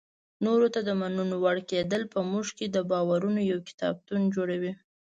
نورو ته د منلو وړ کېدل په موږ کې د باورونو یو کتاب جوړوي.